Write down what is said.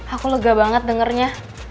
aku lega banget dengernya